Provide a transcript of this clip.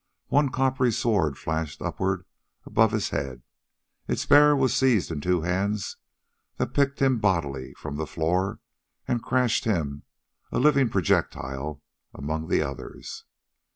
One coppery sword flashed upward above his head. Its bearer was seized in two hands that picked him bodily from the floor and crashed him, a living projectile, among the others.